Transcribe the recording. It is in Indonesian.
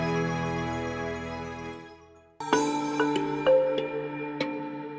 kami menemukan keamanan yang lebih baik untuk mereka sendiri